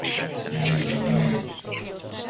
Diseñaron principalmente arquitectura residencial.